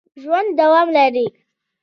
ژوند دوام لري